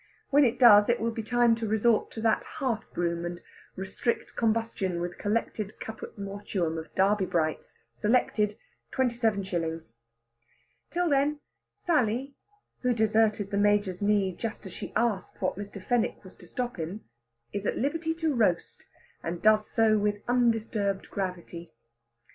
When it does it will be time to resort to that hearth broom, and restrict combustion with collected caput mortuum of Derby Brights, selected, twenty seven shillings. Till then, Sally, who deserted the Major's knee just as she asked what Mr. Fenwick was to stop in, is at liberty to roast, and does so with undisturbed gravity.